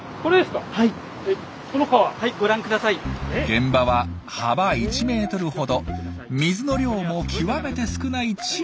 現場は幅１ｍほど水の量も極めて少ない小さな川。